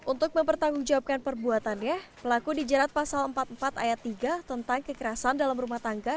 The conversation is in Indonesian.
untuk mempertanggungjawabkan perbuatannya pelaku dijerat pasal empat puluh empat ayat tiga tentang kekerasan dalam rumah tangga